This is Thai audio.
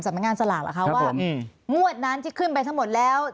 งานสลากเหรอคะว่างวดนั้นที่ขึ้นไปทั้งหมดแล้ว